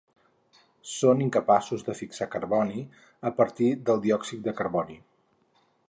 Són incapaços de fixar carboni a partir del diòxid de carboni.